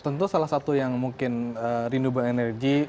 tentu salah satu yang mungkin renewable energy